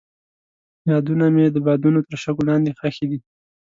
یادونه مې د بادونو تر شګو لاندې ښخې دي.